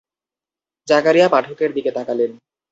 জাকারিয়া পাঠকের দিকে তাকালেন।